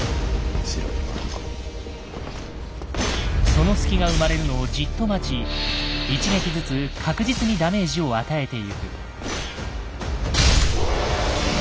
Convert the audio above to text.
その隙が生まれるのをじっと待ち一撃ずつ確実にダメージを与えてゆく。